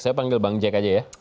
saya panggil bang jack aja ya